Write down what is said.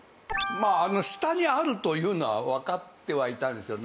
まあ下にあるというのはわかってはいたんですよ